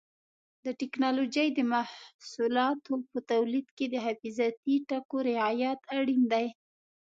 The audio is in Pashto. د ټېکنالوجۍ د محصولاتو په تولید کې د حفاظتي ټکو رعایت اړین دی.